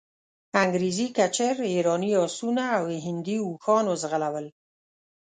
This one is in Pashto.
انګریزي کچر، ایراني آسونه او هندي اوښان وځغلول.